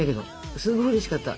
すごいうれしかった。